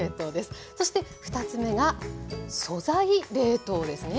そして２つ目が「素材冷凍」ですね。